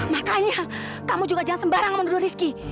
makanya kamu juga jangan sembarang menurut rizky